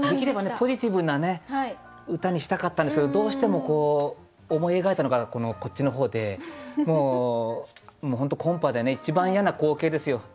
ポジティブな歌にしたかったんですけどどうしても思い描いたのがこっちの方でコンパで一番嫌な光景ですよ。